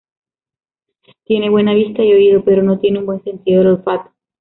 Tiene buena vista y oído, pero no tiene un buen sentido del olfato.